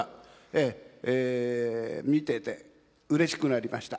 ええ見ててうれしくなりました。